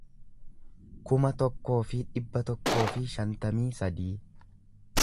kuma tokkoo fi dhibba tokkoo fi shantamii sadii